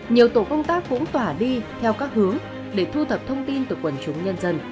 nhiều tổ công tác cũng tỏa đi theo các hướng để thu thập thông tin từ quần chúng nhân dân